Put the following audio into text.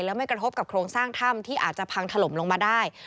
และไม่กระทบกับโครงสร้างถ้ำที่อาจจะพังถล่มลงมาได้